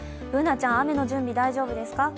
Ｂｏｏｎａちゃん、雨の準備大丈夫ですか？